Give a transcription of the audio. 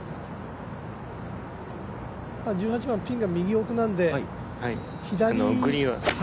１８番、ピンが右奥なので。